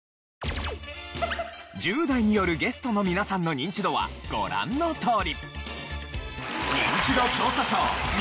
１０代によるゲストの皆さんのニンチドはご覧のとおり。